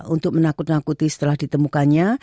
untuk menakut nakuti setelah ditemukannya